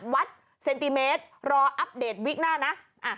วัดเซนติเมตรรออัปเดตวิกหน้านะ